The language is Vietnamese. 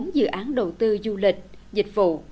bốn dự án đầu tư du lịch dịch vụ